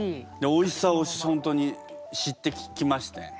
おいしさを本当に知ってきましたよ。